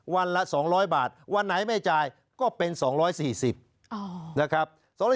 วันละ๒๐๐บาทวันไหนไม่จ่ายก็เป็น๒๔๐นะครับ